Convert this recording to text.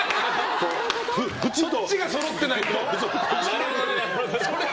ふちがそろってないと？